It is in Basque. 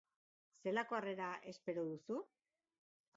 Zelako harrera espero duzu?